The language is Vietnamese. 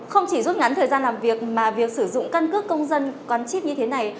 không chỉ rút ngắn thời gian làm việc mà việc sử dụng căn cước công dân gắn chip như thế này